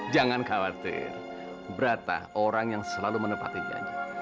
jangan khawatir berata orang yang selalu menepati janji